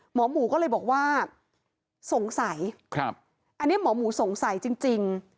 หมอหมูก็เลยบอกว่าสงสัยอันนี้หมอหมูสงสัยจริง